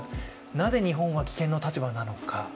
なぜ日本は棄権の立場なのか。